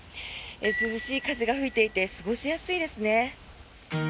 涼しい風が吹いていて過ごしやすいですね。